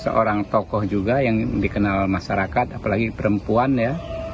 seorang tokoh juga yang dikenal masyarakat apalagi perempuan ya